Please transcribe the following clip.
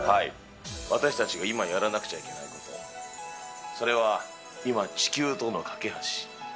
私たちが今やらなくちゃならないこと、それは今、地球との懸け橋。